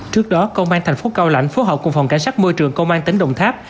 trước đó công an thành phố cao lãnh phối hợp cùng phòng cảnh sát môi trường công an tỉnh đồng tháp